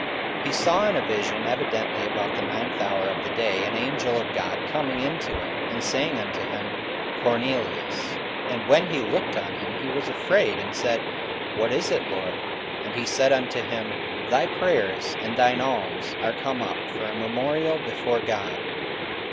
44:010:003 He saw in a vision evidently about the ninth hour of the day an angel of God coming in to him, and saying unto him, Cornelius. 44:010:004 And when he looked on him, he was afraid, and said, What is it, Lord? And he said unto him, Thy prayers and thine alms are come up for a memorial before God.